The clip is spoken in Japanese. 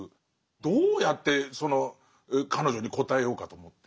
どうやってその彼女に答えようかと思って。